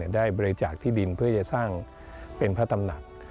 ได้บริจาคที่ดินเพื่อจะสร้างเป็นพระตำหนัก